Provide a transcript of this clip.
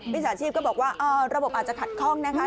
จ่าชีพก็บอกว่าระบบอาจจะขัดข้องนะคะ